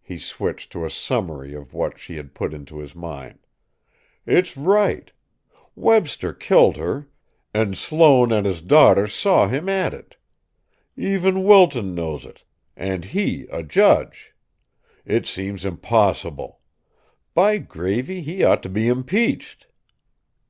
He switched to a summary of what she had put into his mind: "It's right! Webster killed her, and Sloane and his daughter saw him at it. Even Wilton knows it and he a judge! It seems impossible. By gravy! he ought to be impeached."